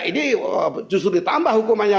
ini justru ditambah hukumnya